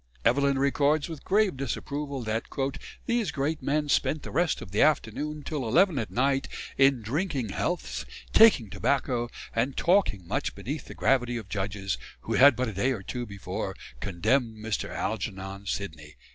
Evelyn records with grave disapproval that "these great men spent the rest of the afternoon till 11 at night, in drinking healths, taking tobacco, and talking much beneath the gravity of judges, who had but a day or two before condemned Mr. Algernon Sidney."